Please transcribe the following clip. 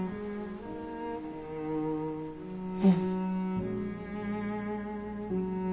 うん。